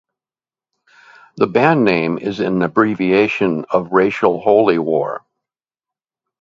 The band name is an abbreviation of Racial Holy War.